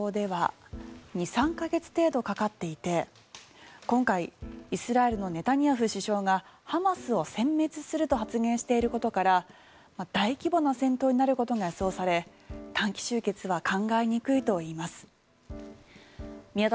過去の侵攻では２３か月以上かかっていて今回イスラエルのネタニヤフ首相がハマスを殲滅すると発言していることから大規模な戦闘になることが予想され短期終結は考えにくいといいます。